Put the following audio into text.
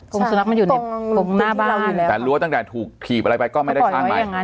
กงสุนัขมันอยู่ในกงหน้าบ้านแต่รั้วตั้งแต่ถูกถีบอะไรไปก็ไม่ได้สร้างไหม